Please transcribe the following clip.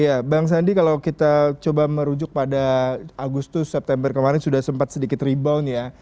ya bang sandi kalau kita coba merujuk pada agustus september kemarin sudah sempat sedikit rebound ya